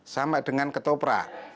sama dengan ketoprak